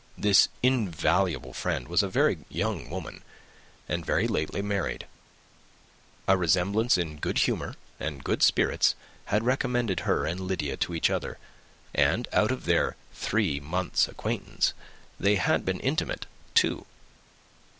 This invaluable friend was a very young woman, and very lately married. A resemblance in good humour and good spirits had recommended her and Lydia to each other, and out of their three months' acquaintance they had been intimate two.